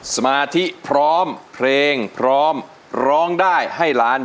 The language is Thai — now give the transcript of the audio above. สมาธิพร้อมเพลงพร้อมร้องได้ให้ล้าน